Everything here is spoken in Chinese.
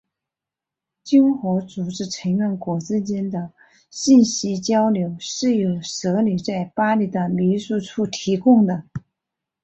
经合组织成员国之间的信息交流是由设立在巴黎的秘书处提供的。